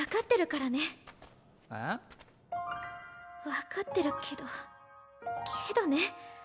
分かってるけどけどね